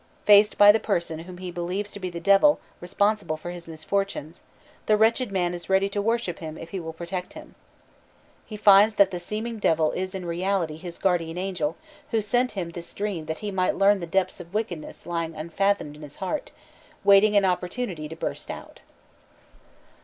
Faced by the person whom he believes to be the Devil, responsible for his misfortunes, the wretched man is ready to worship him if he will protect him. He finds that the seeming Devil is in reality his guardian angel who sent him this dream that he might learn the depths of wickedness lying unfathomed in his heart, waiting an opportunity to burst out.